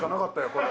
これ。